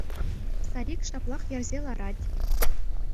Старик ҫаплах йӗрсе ларать.